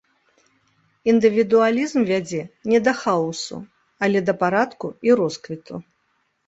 Індывідуалізм вядзе не да хаосу, але да парадку і росквіту.